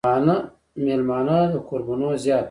مېلمانۀ د کوربنو زيات وو ـ